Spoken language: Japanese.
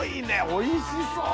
おいしそう！